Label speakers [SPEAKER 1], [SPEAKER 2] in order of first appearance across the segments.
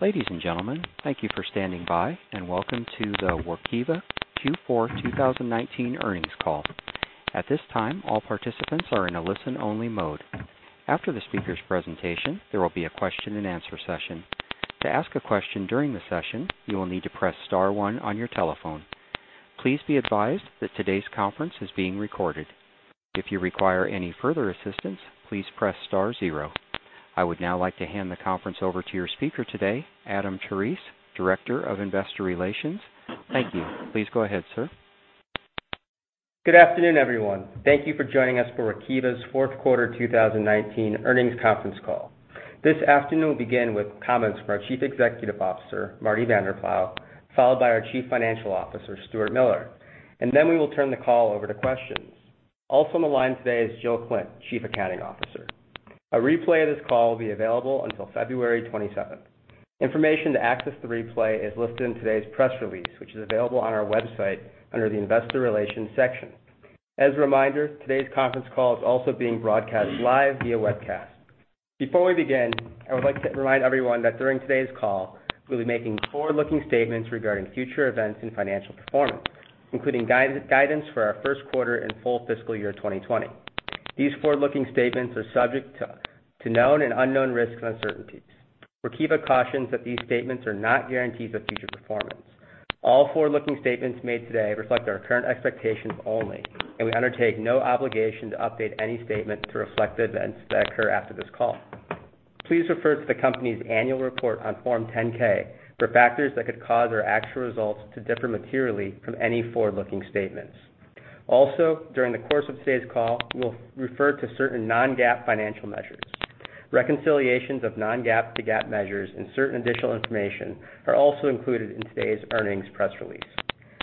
[SPEAKER 1] Ladies and gentlemen, thank you for standing by, welcome to the Workiva Q4 2019 earnings call. At this time, all participants are in a listen-only mode. After the speaker's presentation, there will be a question and answer session. To ask a question during the session, you will need to press star one on your telephone. Please be advised that today's conference is being recorded. If you require any further assistance, please press star zero. I would now like to hand the conference over to your speaker today, Adam Terese, Director of Investor Relations. Thank you. Please go ahead, sir.
[SPEAKER 2] Good afternoon, everyone. Thank you for joining us for Workiva's fourth quarter 2019 earnings conference call. This afternoon, we will begin with comments from our Chief Executive Officer, Marty Vanderploeg, followed by our Chief Financial Officer, Stuart Miller. Then we will turn the call over to questions. Also on the line today is Jill Klindt, Chief Accounting Officer. A replay of this call will be available until February 27th. Information to access the replay is listed in today's press release, which is available on our website under the investor relations section. As a reminder, today's conference call is also being broadcast live via webcast. Before we begin, I would like to remind everyone that during today's call, we will be making forward-looking statements regarding future events and financial performance, including guidance for our first quarter and full fiscal year 2020. These forward-looking statements are subject to known and unknown risks and uncertainties. Workiva cautions that these statements are not guarantees of future performance. All forward-looking statements made today reflect our current expectations only, and we undertake no obligation to update any statement to reflect the events that occur after this call. Please refer to the company's annual report on Form 10-K for factors that could cause our actual results to differ materially from any forward-looking statements. Also, during the course of today's call, we'll refer to certain non-GAAP financial measures. Reconciliations of non-GAAP to GAAP measures and certain additional information are also included in today's earnings press release.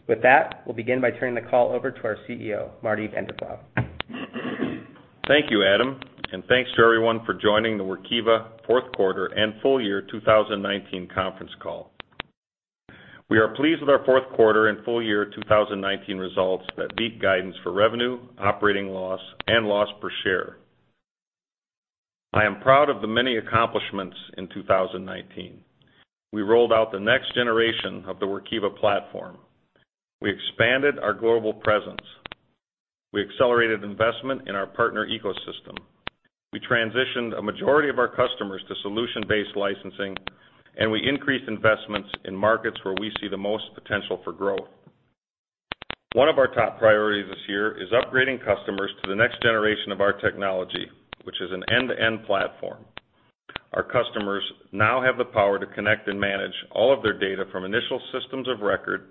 [SPEAKER 2] With that, we'll begin by turning the call over to our CEO, Marty Vanderploeg.
[SPEAKER 3] Thank you, Adam, and thanks to everyone for joining the Workiva fourth quarter and full year 2019 conference call. We are pleased with our fourth quarter and full year 2019 results that beat guidance for revenue, operating loss, and loss per share. I am proud of the many accomplishments in 2019. We rolled out the next generation of the Workiva platform. We expanded our global presence. We accelerated investment in our partner ecosystem. We transitioned a majority of our customers to solution-based licensing, and we increased investments in markets where we see the most potential for growth. One of our top priorities this year is upgrading customers to the next generation of our technology, which is an end-to-end platform. Our customers now have the power to connect and manage all of their data from initial systems of record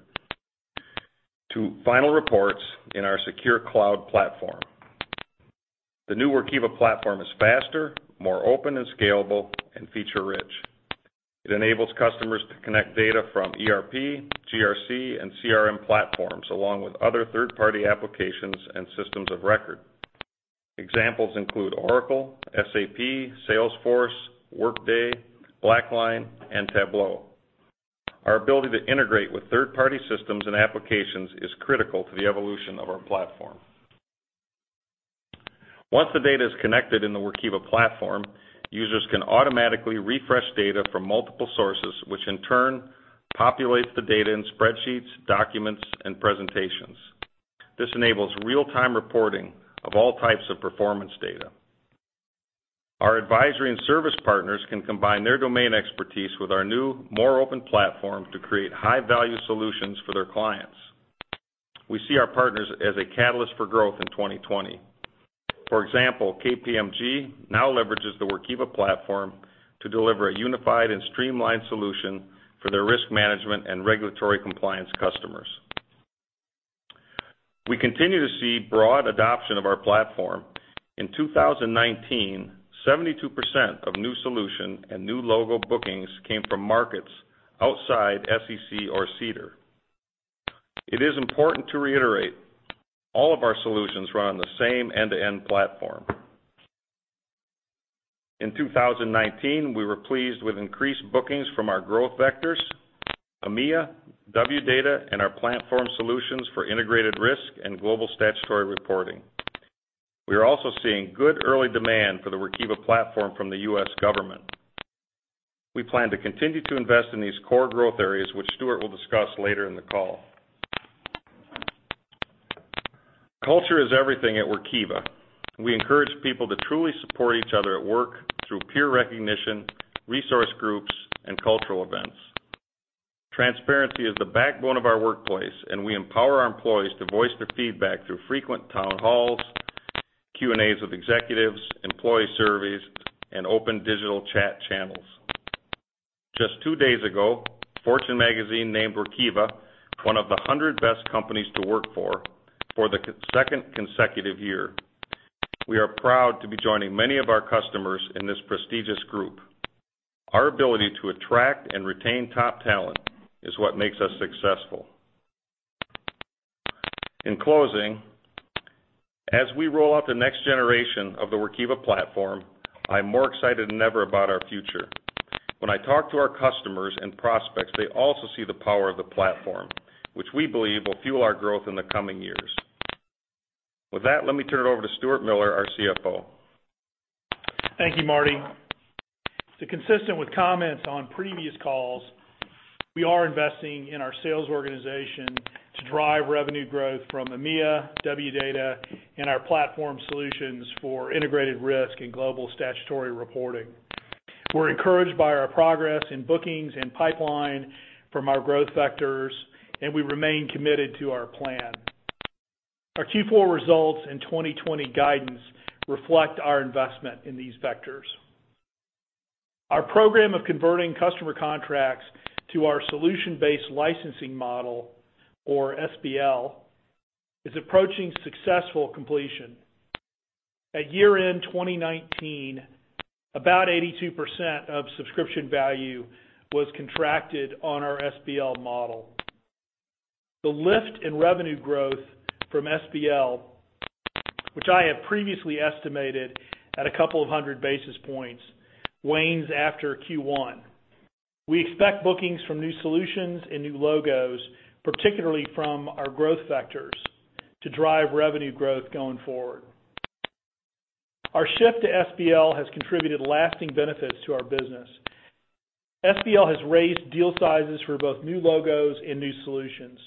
[SPEAKER 3] to final reports in our secure cloud platform. The new Workiva platform is faster, more open and scalable, and feature-rich. It enables customers to connect data from ERP, GRC, and CRM platforms, along with other third-party applications and systems of record. Examples include Oracle, SAP, Salesforce, Workday, BlackLine, and Tableau. Our ability to integrate with third-party systems and applications is critical to the evolution of our platform. Once the data is connected in the Workiva platform, users can automatically refresh data from multiple sources, which in turn populates the data in spreadsheets, documents, and presentations. This enables real-time reporting of all types of performance data. Our advisory and service partners can combine their domain expertise with our new, more open platform to create high-value solutions for their clients. We see our partners as a catalyst for growth in 2020. For example, KPMG now leverages the Workiva platform to deliver a unified and streamlined solution for their risk management and regulatory compliance customers. We continue to see broad adoption of our platform. In 2019, 72% of new solution and new logo bookings came from markets outside SEC or SEDAR. It is important to reiterate, all of our solutions run on the same end-to-end platform. In 2019, we were pleased with increased bookings from our growth vectors, EMEA, Wdata, and our platform solutions for integrated risk and Global Statutory Reporting. We are also seeing good early demand for the Workiva platform from the U.S. government. We plan to continue to invest in these core growth areas, which Stuart will discuss later in the call. Culture is everything at Workiva. We encourage people to truly support each other at work through peer recognition, resource groups, and cultural events. Transparency is the backbone of our workplace, and we empower our employees to voice their feedback through frequent town halls, Q&As with executives, employee surveys, and open digital chat channels. Just two days ago, Fortune Magazine named Workiva one of the 100 best companies to work for the second consecutive year. We are proud to be joining many of our customers in this prestigious group. Our ability to attract and retain top talent is what makes us successful. In closing, as we roll out the next generation of the Workiva platform, I'm more excited than ever about our future. When I talk to our customers and prospects, they also see the power of the platform, which we believe will fuel our growth in the coming years. With that, let me turn it over to Stuart Miller, our CFO.
[SPEAKER 4] Thank you, Marty. Consistent with comments on previous calls, we are investing in our sales organization to drive revenue growth from EMEA, Wdata, and our platform solutions for integrated risk and Global Statutory Reporting. We're encouraged by our progress in bookings and pipeline from our growth vectors, and we remain committed to our plan. Our Q4 results and 2020 guidance reflect our investment in these vectors. Our program of converting customer contracts to our solution-based licensing model, or SBL, is approaching successful completion. At year-end 2019, about 82% of subscription value was contracted on our SBL model. The lift in revenue growth from SBL, which I have previously estimated at a couple of hundred basis points, wanes after Q1. We expect bookings from new solutions and new logos, particularly from our growth vectors, to drive revenue growth going forward. Our shift to SBL has contributed lasting benefits to our business. SBL has raised deal sizes for both new logos and new solutions.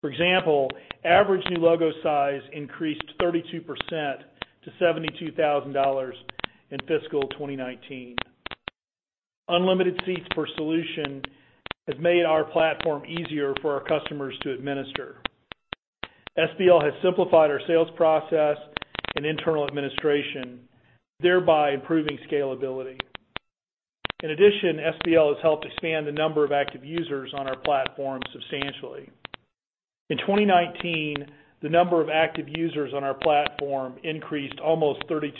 [SPEAKER 4] For example, average new logo size increased 32% to $72,000 in fiscal 2019. Unlimited seats per solution have made our platform easier for our customers to administer. SBL has simplified our sales process and internal administration, thereby improving scalability. In addition, SBL has helped expand the number of active users on our platform substantially. In 2019, the number of active users on our platform increased almost 32%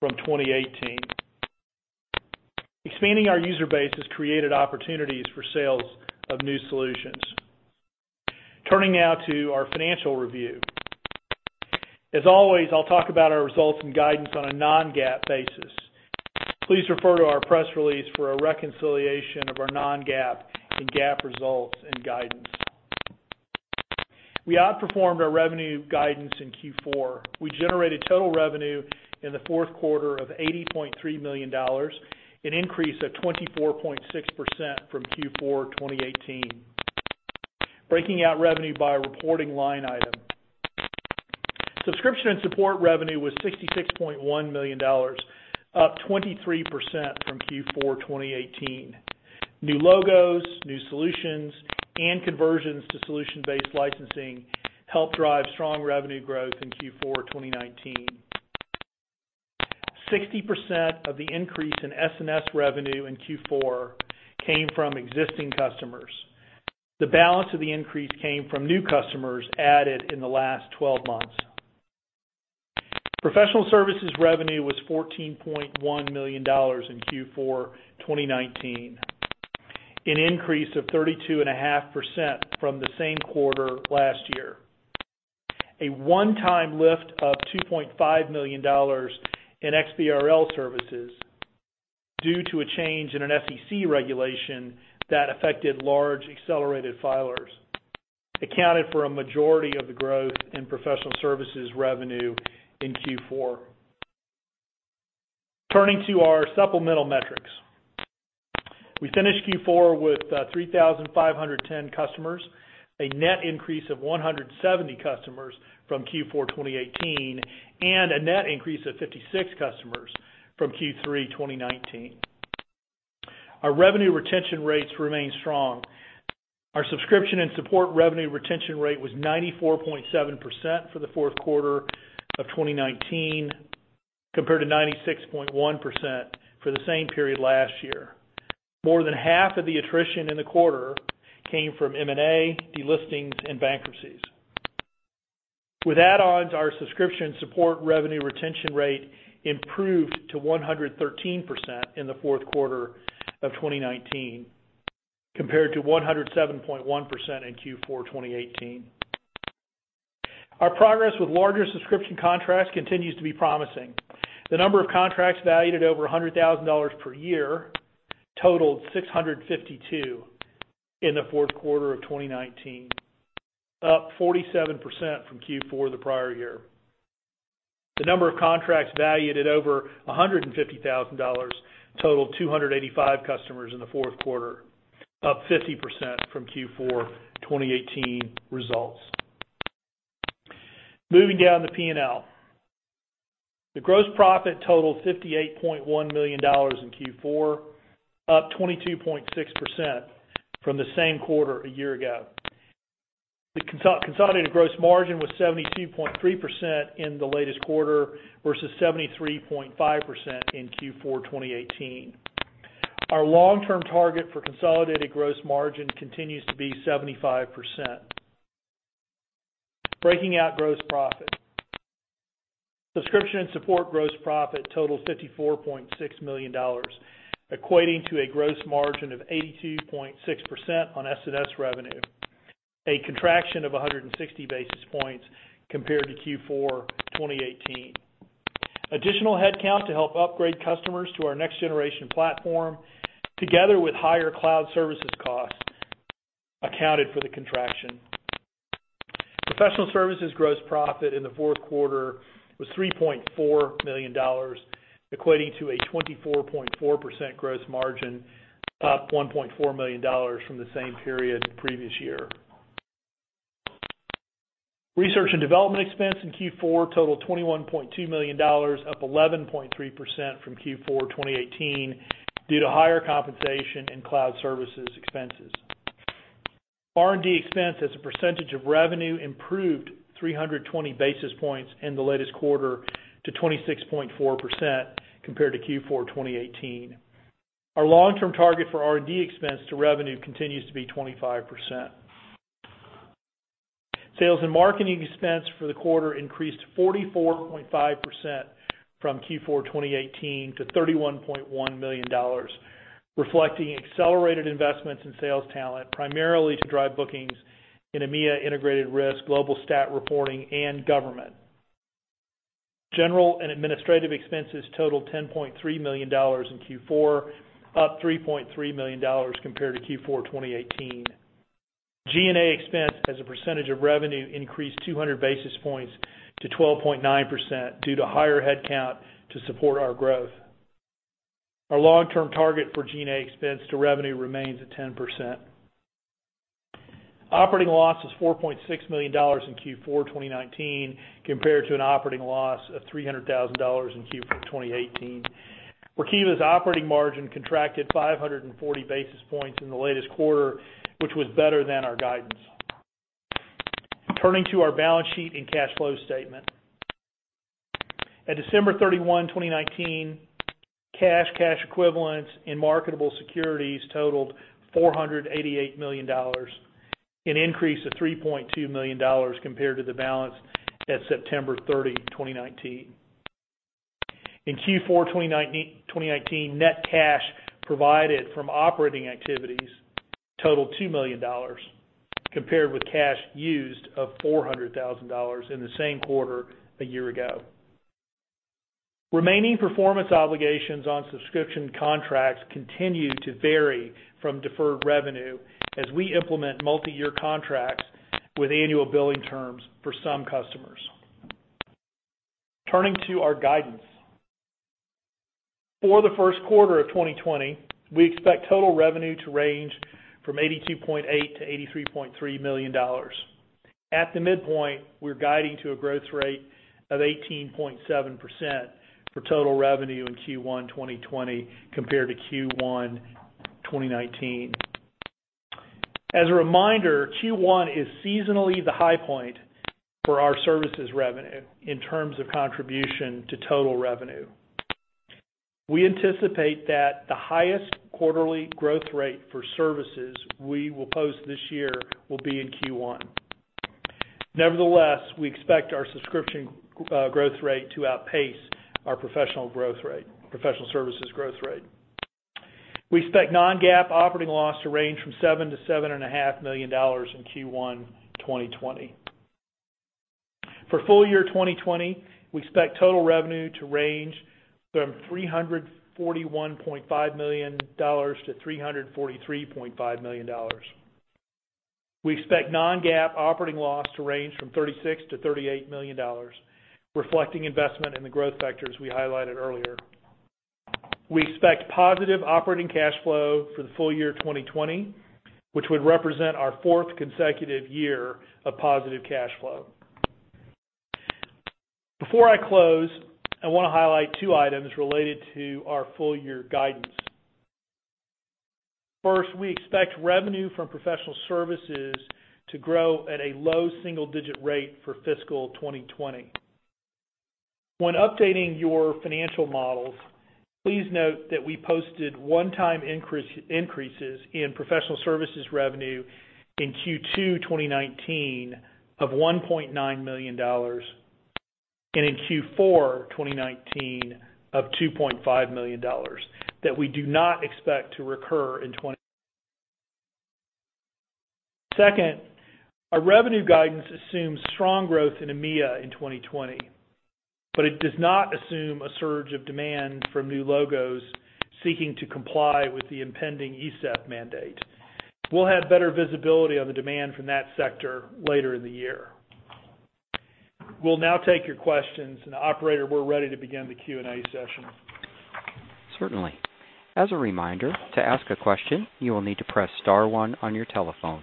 [SPEAKER 4] from 2018. Expanding our user base has created opportunities for sales of new solutions. Turning now to our financial review. As always, I'll talk about our results and guidance on a non-GAAP basis. Please refer to our press release for a reconciliation of our non-GAAP and GAAP results and guidance. We outperformed our revenue guidance in Q4. We generated total revenue in the fourth quarter of $80.3 million, an increase of 24.6% from Q4 2018. Breaking out revenue by reporting line item. Subscription and support revenue was $66.1 million, up 23% from Q4 2018. New logos, new solutions, and conversions to solution-based licensing helped drive strong revenue growth in Q4 2019. 60% of the increase in S&S revenue in Q4 came from existing customers. The balance of the increase came from new customers added in the last 12 months. Professional services revenue was $14.1 million in Q4 2019, an increase of 32.5% from the same quarter last year. A one-time lift of $2.5 million in XBRL services due to a change in an SEC regulation that affected large accelerated filers accounted for a majority of the growth in professional services revenue in Q4. Turning to our supplemental metrics. We finished Q4 with 3,510 customers, a net increase of 170 customers from Q4 2018, and a net increase of 56 customers from Q3 2019. Our revenue retention rates remain strong. Our subscription and support revenue retention rate was 94.7% for the fourth quarter of 2019, compared to 96.1% for the same period last year. More than half of the attrition in the quarter came from M&A, delistings, and bankruptcies. With add-ons, our subscription support revenue retention rate improved to 113% in the fourth quarter of 2019, compared to 107.1% in Q4 2018. Our progress with larger subscription contracts continues to be promising. The number of contracts valued at over $100,000 per year totaled 652 in the fourth quarter of 2019, up 47% from Q4 the prior year. The number of contracts valued at over $150,000 totaled 285 customers in the fourth quarter, up 50% from Q4 2018 results. Moving down the P&L. The gross profit totaled $58.1 million in Q4, up 22.6% from the same quarter a year ago. The consolidated gross margin was 72.3% in the latest quarter versus 73.5% in Q4 2018. Our long-term target for consolidated gross margin continues to be 75%. Breaking out gross profit. Subscription and support gross profit totaled $54.6 million, equating to a gross margin of 82.6% on S&S revenue, a contraction of 160 basis points compared to Q4 2018. Additional headcount to help upgrade customers to our next generation platform, together with higher cloud services costs, accounted for the contraction. Professional services gross profit in the fourth quarter was $3.4 million, equating to a 24.4% gross margin, up $1.4 million from the same period the previous year. Research and development expense in Q4 totaled $21.2 million, up 11.3% from Q4 2018, due to higher compensation and cloud services expenses. R&D expense as a percentage of revenue improved 320 basis points in the latest quarter to 26.4% compared to Q4 2018. Our long-term target for R&D expense to revenue continues to be 25%. Sales and marketing expense for the quarter increased 44.5% from Q4 2018 to $31.1 million, reflecting accelerated investments in sales talent, primarily to drive bookings in EMEA integrated risk, Global Statutory Reporting, and government. General and administrative expenses totaled $10.3 million in Q4, up $3.3 million compared to Q4 2018. G&A expense as a percentage of revenue increased 200 basis points to 12.9% due to higher headcount to support our growth. Our long-term target for G&A expense to revenue remains at 10%. Operating loss was $4.6 million in Q4 2019, compared to an operating loss of $300,000 in Q4 2018. Workiva's operating margin contracted 540 basis points in the latest quarter, which was better than our guidance. Turning to our balance sheet and cash flow statement. At December 31, 2019, cash equivalents, and marketable securities totaled $488 million, an increase of $3.2 million compared to the balance at September 30, 2019. In Q4 2019, net cash provided from operating activities totaled $2 million, compared with cash used of $400,000 in the same quarter a year ago. Remaining performance obligations on subscription contracts continue to vary from deferred revenue as we implement multi-year contracts with annual billing terms for some customers. Turning to our guidance. For the first quarter of 2020, we expect total revenue to range from $82.8 million to $83.3 million. At the midpoint, we're guiding to a growth rate of 18.7% for total revenue in Q1 2020 compared to Q1 2019. As a reminder, Q1 is seasonally the high point for our services revenue in terms of contribution to total revenue. We anticipate that the highest quarterly growth rate for services we will post this year will be in Q1. Nevertheless, we expect our subscription growth rate to outpace our professional services growth rate. We expect non-GAAP operating loss to range from $7 million-$7.5 million in Q1 2020. For full year 2020, we expect total revenue to range from $341.5 million-$343.5 million. We expect non-GAAP operating loss to range from $36 million-$38 million, reflecting investment in the growth sectors we highlighted earlier. We expect positive operating cash flow for the full year 2020, which would represent our fourth consecutive year of positive cash flow. Before I close, I want to highlight two items related to our full-year guidance. First, we expect revenue from professional services to grow at a low single-digit rate for fiscal 2020. When updating your financial models, please note that we posted one-time increases in professional services revenue in Q2 2019 of $1.9 million, and in Q4 2019 of $2.5 million that we do not expect to recur. Second, our revenue guidance assumes strong growth in EMEA in 2020, but it does not assume a surge of demand from new logos seeking to comply with the impending ESEF mandate. We'll have better visibility on the demand from that sector later in the year. We'll now take your questions, and operator, we're ready to begin the Q&A session.
[SPEAKER 1] Certainly. As a reminder, to ask a question, you will need to press star one on your telephone.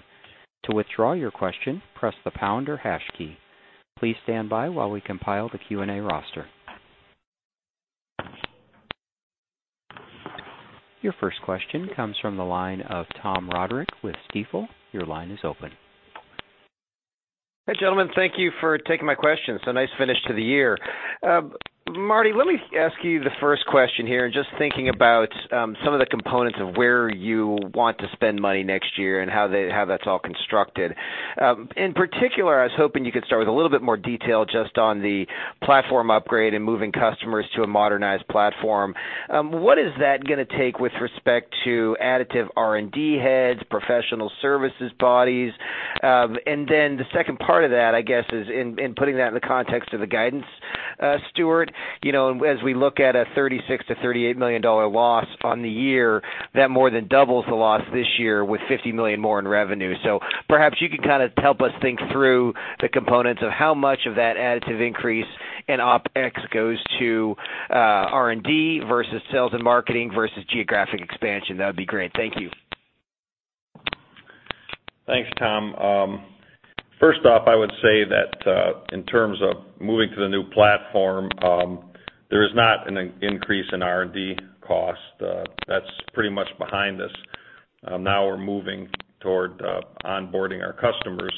[SPEAKER 1] To withdraw your question, press the pound or hash key. Please stand by while we compile the Q&A roster. Your first question comes from the line of Tom Roderick with Stifel. Your line is open.
[SPEAKER 5] Hey, gentlemen, thank you for taking my question. It's a nice finish to the year. Marty, let me ask you the first question here, just thinking about some of the components of where you want to spend money next year and how that's all constructed. In particular, I was hoping you could start with a little bit more detail just on the platform upgrade and moving customers to a modernized platform. What is that going to take with respect to additive R&D heads, professional services bodies? The second part of that, I guess, is in putting that in the context of the guidance, Stuart, as we look at a $36 million-$38 million loss on the year, that more than doubles the loss this year with $50 million more in revenue. Perhaps you could kind of help us think through the components of how much of that additive increase in OpEx goes to R&D versus sales and marketing versus geographic expansion. That would be great. Thank you.
[SPEAKER 3] Thanks, Tom. First off, I would say that, in terms of moving to the new platform, there is not an increase in R&D cost. That's pretty much behind us. Now we're moving toward onboarding our customers,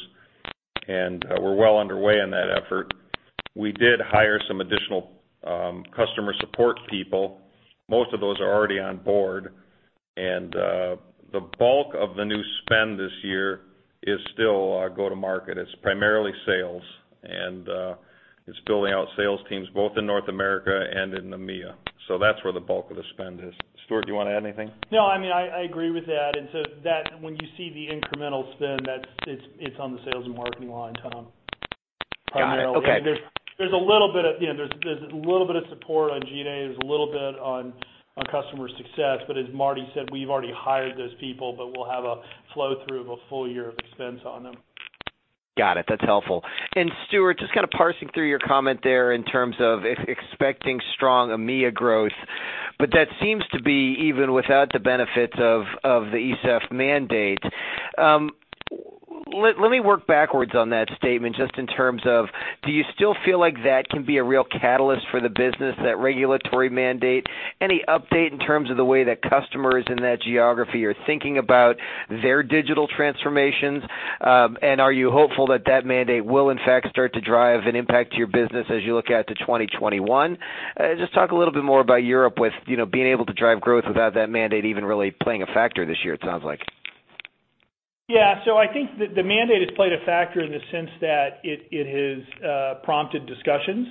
[SPEAKER 3] and we're well underway in that effort. We did hire some additional customer support people. Most of those are already on board, and the bulk of the new spend this year is still go-to-market. It's primarily sales, and it's building out sales teams both in North America and in EMEA. That's where the bulk of the spend is. Stuart, do you want to add anything?
[SPEAKER 4] No, I agree with that. When you see the incremental spend, it's on the sales and marketing line, Tom.
[SPEAKER 5] Got it. Okay.
[SPEAKER 4] There's a little bit of support on G&A. There's a little bit on customer success. As Marty said, we've already hired those people, but we'll have a flow-through of a full year of expense on them.
[SPEAKER 5] That's helpful. Stuart, just kind of parsing through your comment there in terms of expecting strong EMEA growth, but that seems to be even without the benefits of the ESEF mandate. Let me work backwards on that statement, just in terms of, do you still feel like that can be a real catalyst for the business, that regulatory mandate? Any update in terms of the way that customers in that geography are thinking about their digital transformations? Are you hopeful that that mandate will in fact start to drive an impact to your business as you look out to 2021? Just talk a little bit more about Europe with being able to drive growth without that mandate even really playing a factor this year, it sounds like?
[SPEAKER 4] I think that the mandate has played a factor in the sense that it has prompted discussions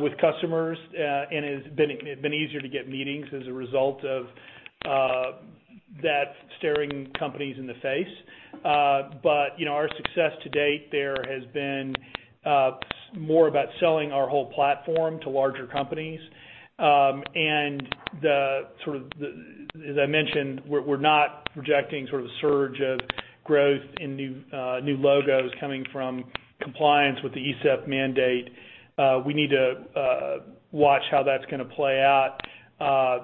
[SPEAKER 4] with customers, and it's been easier to get meetings as a result of that staring companies in the face. Our success to date there has been more about selling our whole platform to larger companies. As I mentioned, we're not projecting sort of a surge of growth in new logos coming from compliance with the ESEF mandate. We need to watch how that's going to play out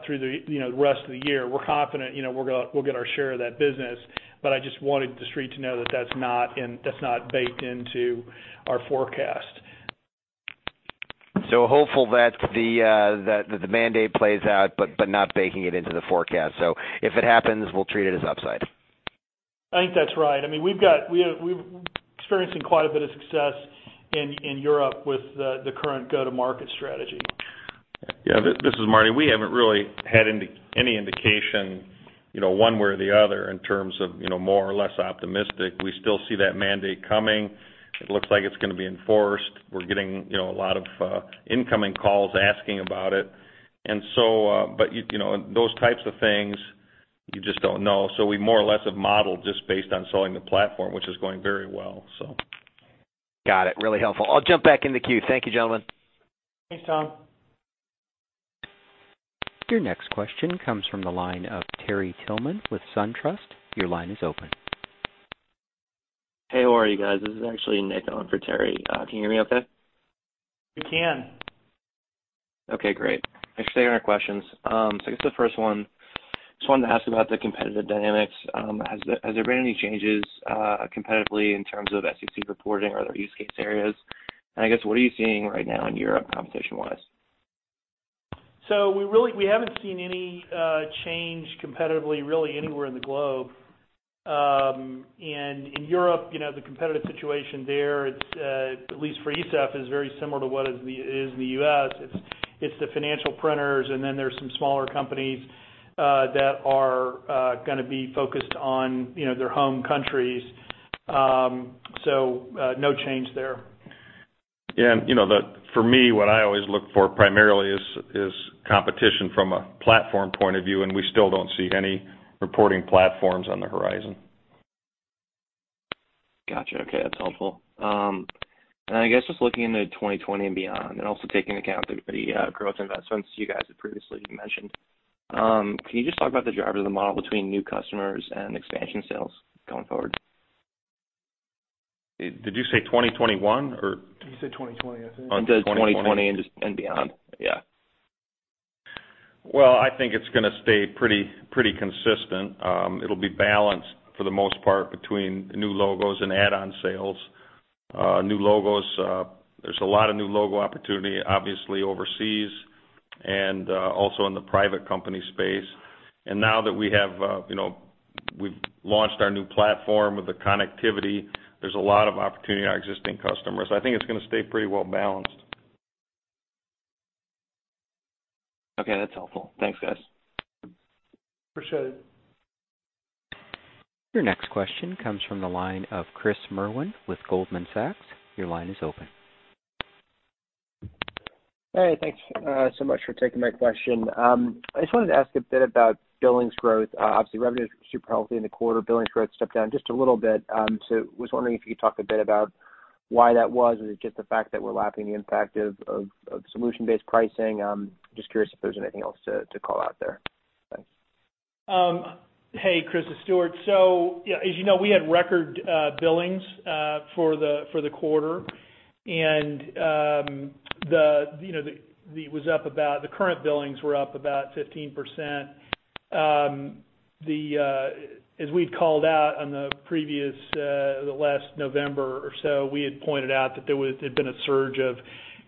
[SPEAKER 4] through the rest of the year. We're confident we'll get our share of that business, but I just wanted the Street to know that that's not baked into our forecast.
[SPEAKER 5] Hopeful that the mandate plays out, but not baking it into the forecast. If it happens, we'll treat it as upside.
[SPEAKER 4] I think that's right. We're experiencing quite a bit of success in Europe with the current go-to-market strategy.
[SPEAKER 3] This is Marty. We haven't really had any indication one way or the other in terms of more or less optimistic. We still see that mandate coming. It looks like it's going to be enforced. We're getting a lot of incoming calls asking about it. Those types of things, you just don't know. We more or less have modeled just based on selling the platform, which is going very well.
[SPEAKER 5] Really helpful. I'll jump back in the queue. Thank you, gentlemen.
[SPEAKER 4] Thanks, Tom.
[SPEAKER 1] Your next question comes from the line of Terry Tillman with SunTrust. Your line is open.
[SPEAKER 6] Hey, how are you guys? This is actually Nick on for Terry. Can you hear me okay?
[SPEAKER 4] We can.
[SPEAKER 6] Thanks for taking our questions. I guess the first one, I just wanted to ask about the competitive dynamics. Has there been any changes competitively in terms of SEC reporting or other use case areas? I guess, what are you seeing right now in Europe, competition-wise?
[SPEAKER 4] We haven't seen any change competitively, really anywhere in the globe. In Europe, the competitive situation there, at least for ESEF, is very similar to what it is in the U.S. It's the financial printers, and then there's some smaller companies that are going to be focused on their home countries. No change there.
[SPEAKER 3] For me, what I always look for primarily is competition from a platform point of view, and we still don't see any reporting platforms on the horizon.
[SPEAKER 6] That's helpful. I guess just looking into 2020 and beyond, also taking account the growth investments you guys had previously mentioned, can you just talk about the drivers of the model between new customers and expansion sales going forward?
[SPEAKER 3] Did you say 2021?
[SPEAKER 4] He said 2020, I think.
[SPEAKER 6] 2020 and beyond.
[SPEAKER 3] I think it's going to stay pretty consistent. It'll be balanced for the most part between new logos and add-on sales. New logos, there's a lot of new logo opportunity, obviously overseas, and also in the private company space. Now that we've launched our new platform with the connectivity, there's a lot of opportunity in our existing customers. I think it's going to stay pretty well balanced.
[SPEAKER 6] That's helpful. Thanks, guys.
[SPEAKER 4] Appreciate it.
[SPEAKER 1] Your next question comes from the line of Chris Merwin with Goldman Sachs. Your line is open.
[SPEAKER 7] Thanks so much for taking my question. I just wanted to ask a bit about billings growth. Obviously, revenues were super healthy in the quarter. Billings growth stepped down just a little bit. I was wondering if you could talk a bit about why that was. Is it just the fact that we're lapping the impact of solution-based pricing? I'm just curious if there's anything else to call out there. Thanks.
[SPEAKER 4] Hey, Chris, it's Stuart. As you know, we had record billings for the quarter, and the current billings were up about 15%. As we'd called out on the previous, the last November or so, we had pointed out that there had been a surge of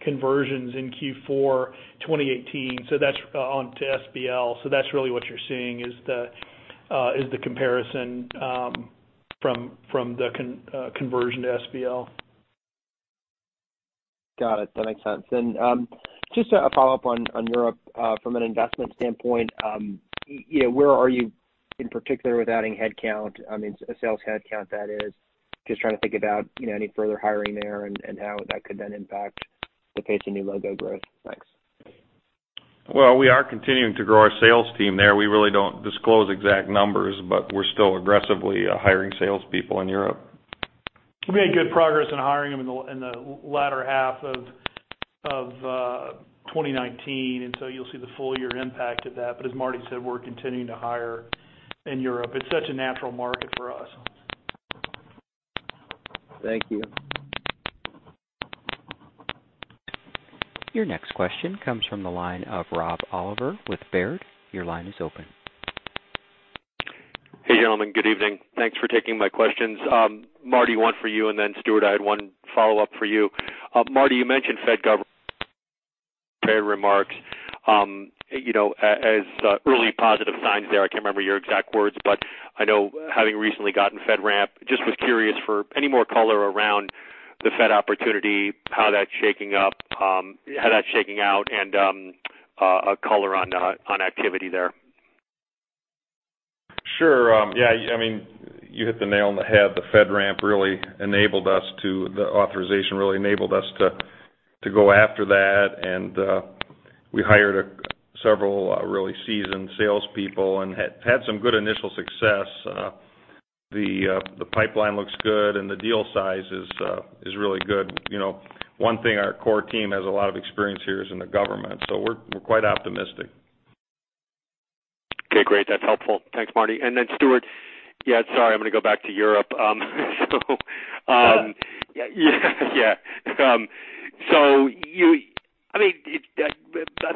[SPEAKER 4] conversions in Q4 2018 onto SBL. That's really what you're seeing is the comparison from the conversion to SBL.
[SPEAKER 7] That makes sense. Just a follow-up on Europe, from an investment standpoint, where are you in particular with adding headcount? Sales headcount, that is. Just trying to think about any further hiring there and how that could then impact the pace of new logo growth? Thanks.
[SPEAKER 3] Well, we are continuing to grow our sales team there. We really don't disclose exact numbers, but we're still aggressively hiring salespeople in Europe.
[SPEAKER 4] We made good progress in hiring them in the latter half of 2019, you'll see the full year impact of that. As Marty said, we're continuing to hire in Europe. It's such a natural market for us.
[SPEAKER 7] Thank you.
[SPEAKER 1] Your next question comes from the line of Rob Oliver with Baird. Your line is open.
[SPEAKER 8] Hey, gentlemen. Good evening. Thanks for taking my questions. Marty, one for you, and then Stuart, I had one follow-up for you. Marty, you mentioned Fed government prepared remarks, as early positive signs there. I can't remember your exact words, but I know, having recently gotten FedRAMP, just was curious for any more color around the Fed opportunity, how that's shaking out, and color on activity there?
[SPEAKER 3] You hit the nail on the head. The FedRAMP, the authorization really enabled us to go after that. We hired several really seasoned salespeople and had some good initial success. The pipeline looks good. The deal size is really good. One thing our core team has a lot of experience here is in the government. We're quite optimistic.
[SPEAKER 8] That's helpful. Thanks, Marty. Stuart. Sorry, I'm going to go back to Europe. I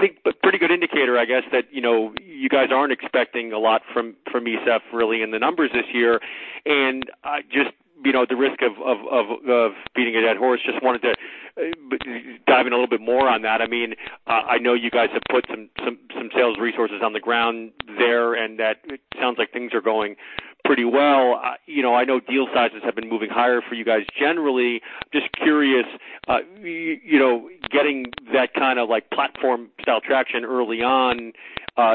[SPEAKER 8] think a pretty good indicator, I guess, that you guys aren't expecting a lot from ESEF really in the numbers this year. Just the risk of beating a dead horse, just wanted to dive in a little bit more on that. I know you guys have put some sales resources on the ground there, and that it sounds like things are going pretty well. I know deal sizes have been moving higher for you guys generally. Just curious, getting that kind of platform style traction early on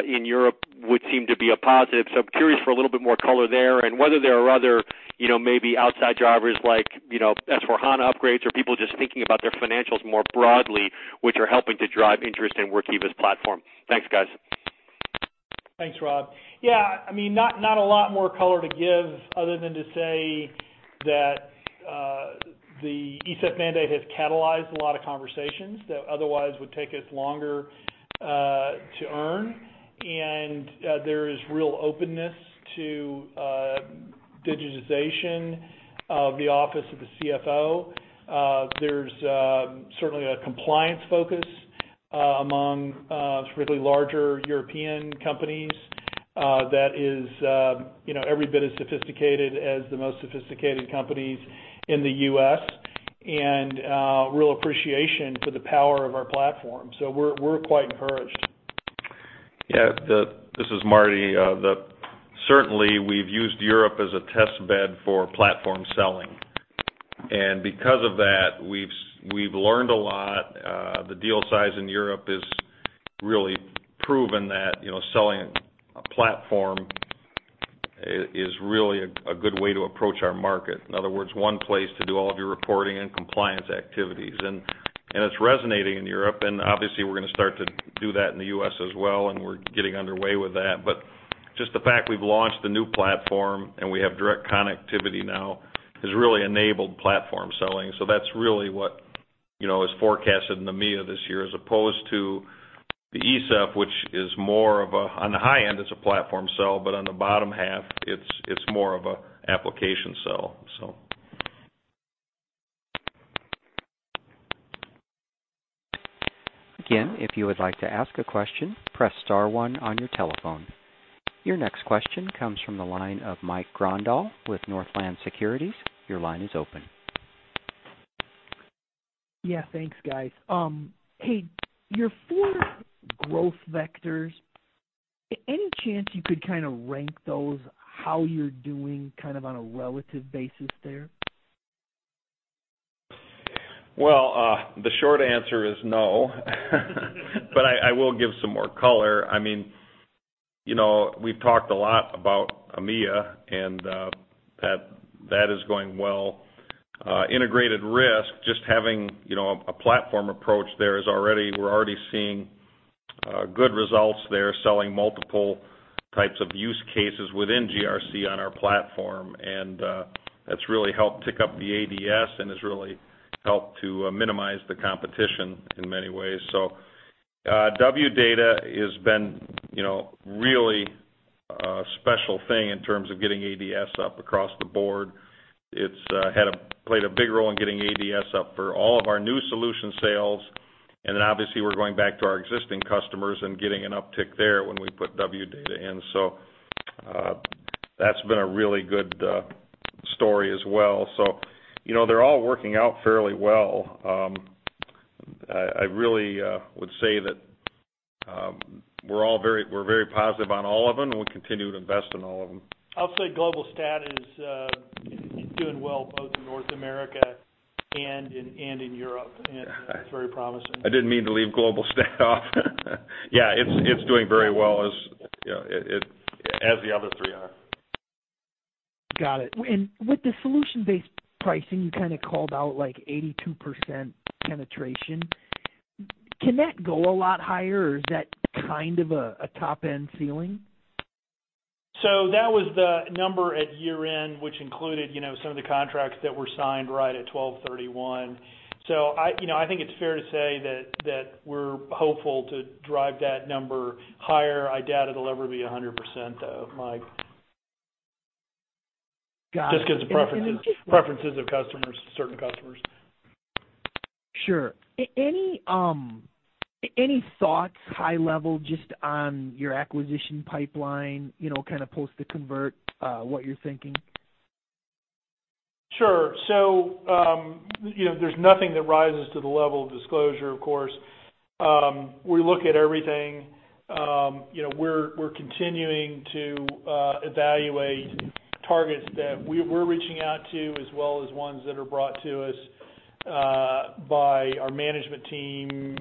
[SPEAKER 8] in Europe would seem to be a positive. Curious for a little bit more color there and whether there are other maybe outside drivers like S/4HANA upgrades or people just thinking about their financials more broadly, which are helping to drive interest in Workiva platform? Thanks, guys.
[SPEAKER 4] Thanks, Rob. Not a lot more color to give other than to say that the ESEF mandate has catalyzed a lot of conversations that otherwise would take us longer to earn. There is real openness to digitization of the office of the CFO. There's certainly a compliance focus among really larger European companies that is every bit as sophisticated as the most sophisticated companies in the U.S., and real appreciation for the power of our platform. We're quite encouraged.
[SPEAKER 3] This is Marty. Certainly, we've used Europe as a test bed for platform selling. Because of that, we've learned a lot. The deal size in Europe has really proven that selling a platform is really a good way to approach our market. In other words, one place to do all of your reporting and compliance activities. It's resonating in Europe, and obviously, we're going to start to do that in the U.S. as well, and we're getting underway with that. Just the fact we've launched a new platform and we have direct connectivity now has really enabled platform selling. That's really what is forecasted in the media this year, as opposed to the ESEF, which on the high end, is a platform sell, but on the bottom half, it's more of an application sell.
[SPEAKER 1] Again, if you would like to ask a question, press star one on your telephone. Your next question comes from the line of Mike Grondahl with Northland Securities. Your line is open.
[SPEAKER 9] Thanks guys. Hey, your four growth vectors, any chance you could kind of rank those how you're doing kind of on a relative basis there?
[SPEAKER 3] Well, the short answer is no. I will give some more color. We've talked a lot about EMEA, that is going well. Integrated Risk, just having a platform approach there, we're already seeing good results there, selling multiple types of use cases within GRC on our platform. That's really helped tick up the ADS and has really helped to minimize the competition in many ways. Wdata has been really a special thing in terms of getting ADS up across the board. It's played a big role in getting ADS up for all of our new solution sales. Obviously, we're going back to our existing customers and getting an uptick there when we put Wdata in. That's been a really good story as well. They're all working out fairly well. I really would say that we're very positive on all of them, and we'll continue to invest in all of them.
[SPEAKER 4] I'll say Global Stat is doing well both in North America and in Europe, and it's very promising.
[SPEAKER 3] I didn't mean to leave Global Stat off. It's doing very well, as the other three are.
[SPEAKER 9] With the solution-based pricing, you called out 82% penetration. Can that go a lot higher, or is that kind of a top-end ceiling?
[SPEAKER 4] That was the number at year-end, which included some of the contracts that were signed right at 12/31. I think it's fair to say that we're hopeful to drive that number higher. I doubt it'll ever be 100%, though, Mike. Just because the preferences of certain customers.
[SPEAKER 9] Any thoughts, high level, just on your acquisition pipeline, kind of post the convert, what you're thinking?
[SPEAKER 4] There's nothing that rises to the level of disclosure, of course. We look at everything. We're continuing to evaluate targets that we're reaching out to, as well as ones that are brought to us by our management team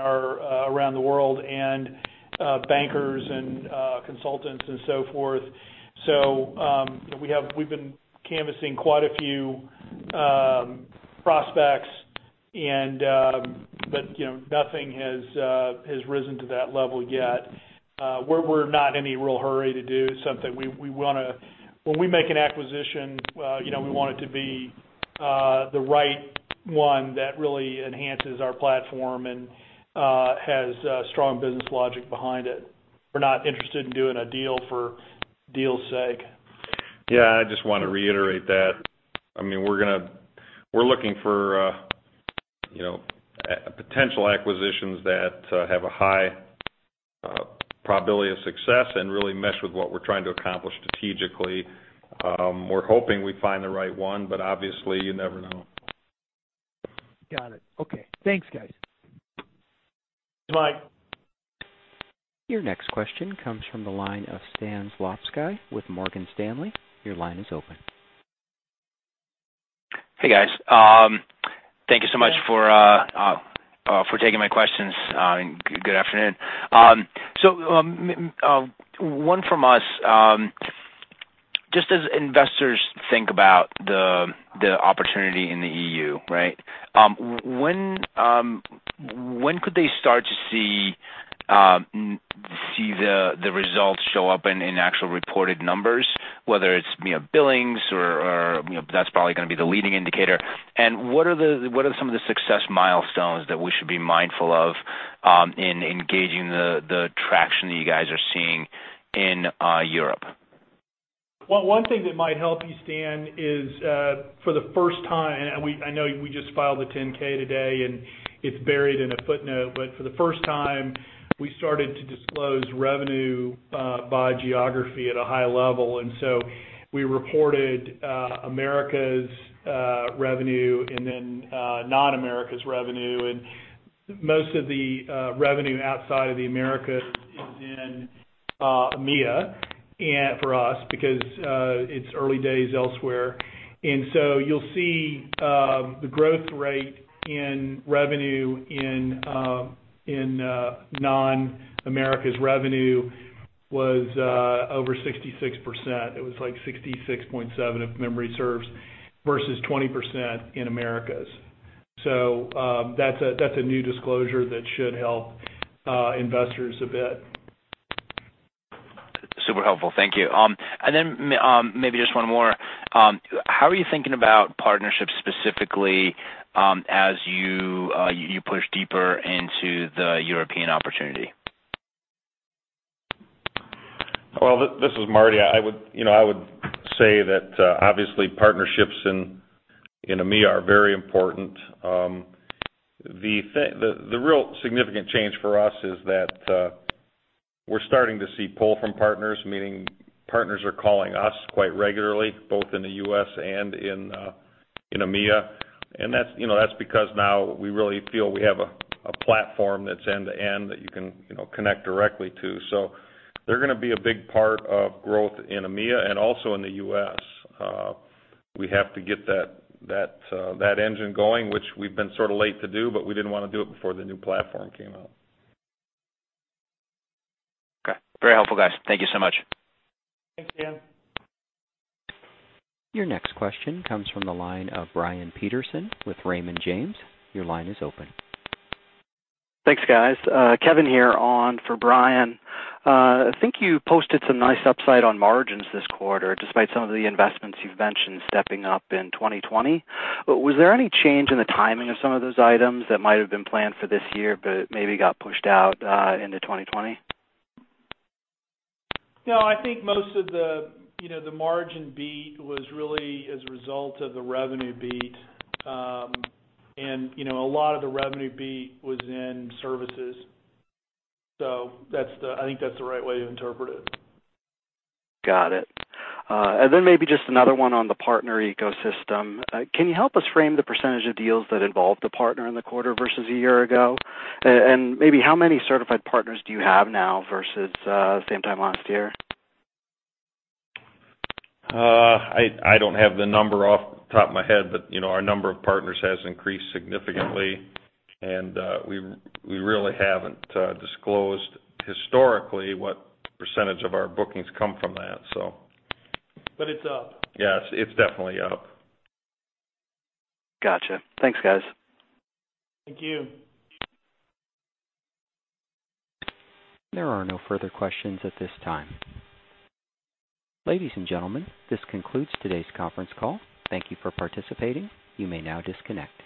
[SPEAKER 4] around the world, and bankers and consultants and so forth. We've been canvassing quite a few prospects, but nothing has risen to that level yet. We're not in any real hurry to do something. When we make an acquisition, we want it to be the right one that really enhances our platform and has strong business logic behind it. We're not interested in doing a deal for deal's sake.
[SPEAKER 3] I just want to reiterate that. We're looking for potential acquisitions that have a high probability of success and really mesh with what we're trying to accomplish strategically. We're hoping we find the right one, but obviously, you never know.
[SPEAKER 9] Okay. Thanks, guys.
[SPEAKER 4] Thanks, Mike.
[SPEAKER 1] Your next question comes from the line of Stan Zlotsky with Morgan Stanley. Your line is open.
[SPEAKER 10] Hey, guys. Thank you so much for taking my questions. Good afternoon. One from us. Just as investors think about the opportunity in the EU, when could they start to see the results show up in actual reported numbers, whether it's billings or-- that's probably going to be the leading indicator? What are some of the success milestones that we should be mindful of in engaging the traction that you guys are seeing in Europe?
[SPEAKER 4] Well, one thing that might help you, Stan, is for the first time, and I know we just filed the 10-K today, and it's buried in a footnote, but for the first time, we started to disclose revenue by geography at a high level. we reported Americas revenue and then non-Americas revenue. Most of the revenue outside of the Americas is in EMEA for us, because it's early days elsewhere. you'll see the growth rate in revenue in non-Americas revenue was over 66%. It was like 66.7%, if memory serves, versus 20% in Americas. That's a new disclosure that should help investors a bit.
[SPEAKER 10] Super helpful. Thank you. Then maybe just one more. How are you thinking about partnerships specifically as you push deeper into the European opportunity?
[SPEAKER 3] This is Marty. I would say that obviously partnerships in EMEA are very important. The real significant change for us is that we're starting to see pull from partners, meaning partners are calling us quite regularly, both in the U.S. and in EMEA. That's because now we really feel we have a platform that's end-to-end that you can connect directly to. They're going to be a big part of growth in EMEA and also in the U.S.. We have to get that engine going, which we've been sort of late to do, but we didn't want to do it before the new platform came out.
[SPEAKER 10] Very helpful, guys. Thank you so much.
[SPEAKER 4] Thanks, Stan.
[SPEAKER 1] Your next question comes from the line of Brian Peterson with Raymond James. Your line is open.
[SPEAKER 11] Thanks, guys. Kevin here on for Brian. I think you posted some nice upside on margins this quarter, despite some of the investments you've mentioned stepping up in 2020. Was there any change in the timing of some of those items that might have been planned for this year but maybe got pushed out into 2020?
[SPEAKER 4] No, I think most of the margin beat was really as a result of the revenue beat. A lot of the revenue beat was in services. I think that's the right way to interpret it.
[SPEAKER 11] Maybe just another one on the partner ecosystem. Can you help us frame the percentage of deals that involved a partner in the quarter versus a year ago? Maybe how many certified partners do you have now versus same time last year?
[SPEAKER 3] I don't have the number off the top of my head, but our number of partners has increased significantly, and we really haven't disclosed historically what percentage of our bookings come from that.
[SPEAKER 4] But it's up.
[SPEAKER 3] Yes, it's definitely up.
[SPEAKER 11] Got you. Thanks, guys.
[SPEAKER 4] Thank you.
[SPEAKER 1] There are no further questions at this time. Ladies and gentlemen, this concludes today's conference call. Thank you for participating. You may now disconnect.